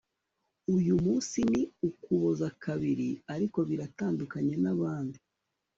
uyu munsi ni ukuboza kabiri ariko biratandukanye nabandi .